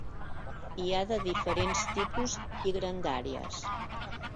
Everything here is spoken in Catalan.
Hi ha de diferents tipus i grandàries.